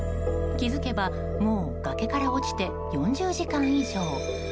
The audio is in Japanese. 気づけばもう崖から落ちて４０時間以上。